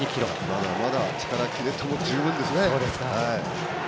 まだまだ力、キレとも十分ですね。